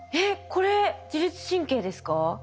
これ自律神経ですか？